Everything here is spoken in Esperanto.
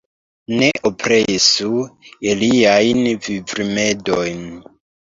Ne opresu iliajn vivrimedojn.